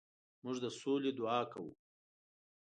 موږ د سولې دعا کوو.